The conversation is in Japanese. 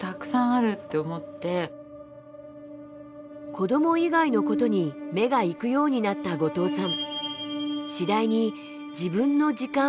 子ども以外のことに目がいくようになった後藤さん。